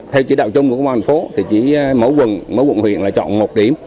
theo chỉ đạo chung của công an thành phố thì chỉ mỗi quận mỗi quận huyện là chọn một điểm